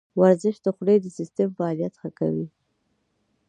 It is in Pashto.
ورزش د خولې د سیستم فعالیت ښه کوي.